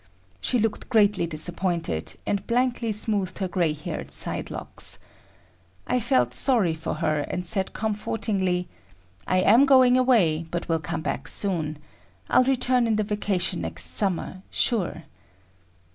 She looked greatly disappointed, and blankly smoothed her gray haired sidelocks. I felt sorry for her, and said comfortingly; "I am going away but will come back soon. I'll return in the vacation next summer, sure."